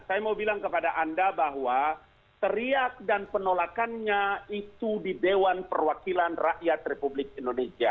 saya mau bilang kepada anda bahwa teriak dan penolakannya itu di dewan perwakilan rakyat republik indonesia